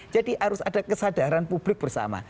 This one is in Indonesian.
jadi harus ada kesadaran publik bersama